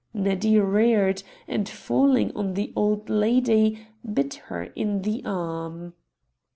Neddy reared, and falling on the old lady, bit her in the arm.